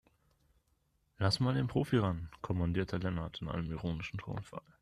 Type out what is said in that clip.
Lass mal den Profi ran, kommandierte Lennart in einem ironischen Tonfall.